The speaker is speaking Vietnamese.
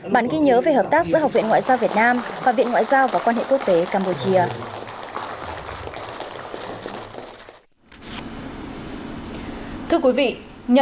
bản ghi nhớ về hợp tác giữa học viện ngoại giao việt nam và viện ngoại giao và quan hệ quốc tế campuchia